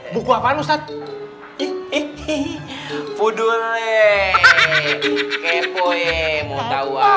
buku apaan ustadz